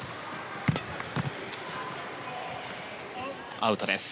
アウトです。